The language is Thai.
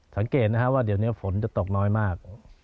สังเกตนะครับว่าเดี๋ยวนี้ฝนจะตกน้อยมาก